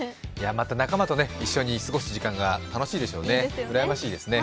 また仲間と一緒に過ごす時間が楽しいでしょうね、うらやましいですね。